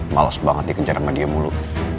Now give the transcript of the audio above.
males banget dikejar sama dia mulu